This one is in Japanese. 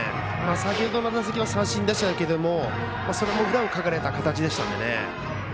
先程の打席は三振でしたがそれも裏をかかれた形でしたので。